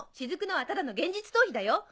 雫のはただの現実逃避だよ。